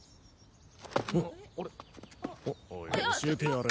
あれ？